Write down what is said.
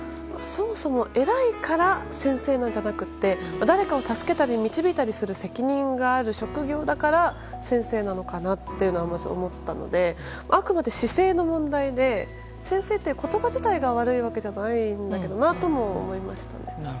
そもそも偉いから先生なんじゃなくて誰かを助けたり導いたりする責任がある職業だから先生なのかなっていうのかなとまず思ったのであくまで姿勢の問題で先生という言葉自体が悪いわけじゃないんだけどと思いました。